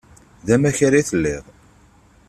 D amakar i telliḍ.